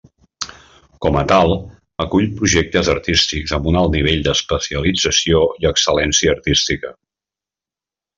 Com a tal, acull projectes artístics amb un alt nivell d'especialització i excel·lència artística.